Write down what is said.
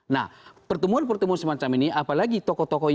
nah pertemuan pertemuan semacam ini apalagi tokoh tokohnya